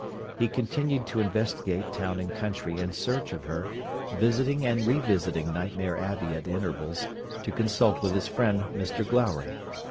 He continued to investigate town and country in search of her; visiting and revisiting Nightmare Abbey at intervals, to consult with his friend, Mr Glowry.